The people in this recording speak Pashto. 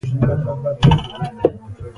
هېڅ خبر نه دي.